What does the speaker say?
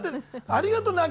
ありがとう。